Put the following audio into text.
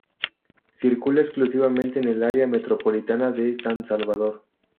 Circula exclusivamente en el área metropolitana de San Salvador.